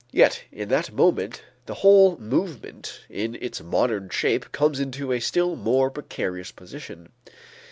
Yet in that moment the whole movement in its modern shape comes into a still more precarious position.